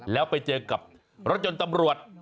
แล้วไปเจอกับรถยนต์ตำรวจ